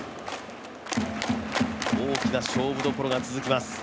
大きな勝負どころが続きます。